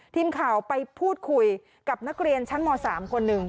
ทีมข่าวไปพูดคุยกับนักเรียนชั้นม๓คนหนึ่ง